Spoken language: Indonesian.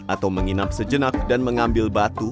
atau menginap sejenak dan mengambil batu